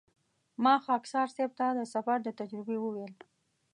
ما خاکسار صیب ته د سفر د تجربې وویل.